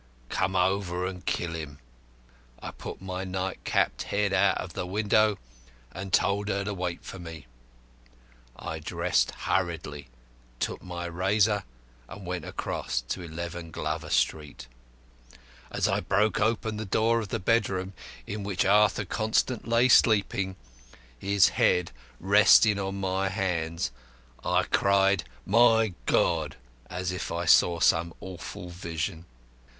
'Come over and kill him!' I put my night capped head out of the window and told her to wait for me. I dressed hurriedly, took my razor, and went across to 11 Glover Street. As I broke open the door of the bedroom in which Arthur Constant lay sleeping, his head resting on his hands, I cried, 'My God!' as if I saw some awful vision.